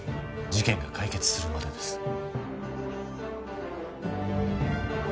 事件が解決するまでです